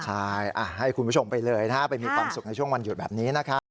ใช่ให้คุณผู้ชมไปเลยนะไปมีความสุขในช่วงวันหยุดแบบนี้นะครับ